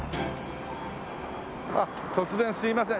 突然すいません。